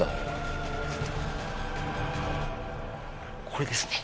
これですね。